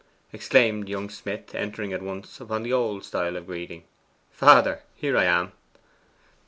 exclaimed young Smith, entering at once upon the old style of greeting. 'Father, here I am.